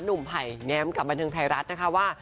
หนุ่มไพรแน้มกับบรรเทิงไทยรัฐนะคะว่า